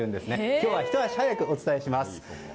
今日はひと足早くお伝えします。